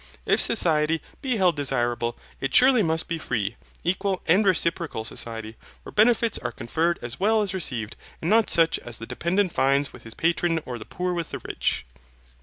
If society be held desirable, it surely must be free, equal, and reciprocal society, where benefits are conferred as well as received, and not such as the dependent finds with his patron or the poor with the rich.